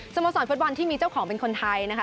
โมสรฟุตบอลที่มีเจ้าของเป็นคนไทยนะคะ